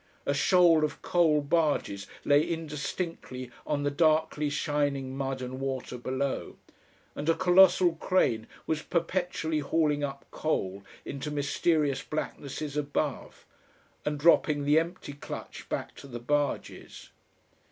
A shoal of coal barges lay indistinctly on the darkly shining mud and water below, and a colossal crane was perpetually hauling up coal into mysterious blacknesses above, and dropping the empty clutch back to the barges.